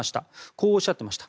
こうおっしゃってました。